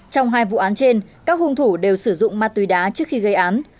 trong hai vụ án trên các hung thủ đều sử dụng ma túy đá trước khi gây án